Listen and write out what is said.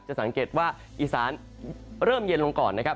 สังเกตว่าอีสานเริ่มเย็นลงก่อนนะครับ